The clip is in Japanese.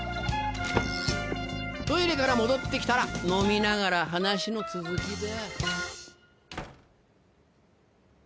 トイレから戻って来たら飲みながら話の続きだ。